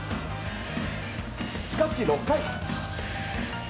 しかし６回。